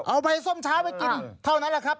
เอาใบส้มเช้าไปกินเท่านั้นแหละครับ